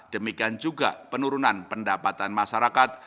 demikian juga penurunan pendapatan masyarakat